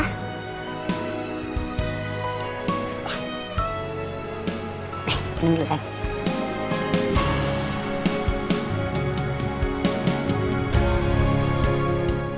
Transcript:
nih minum dulu sayang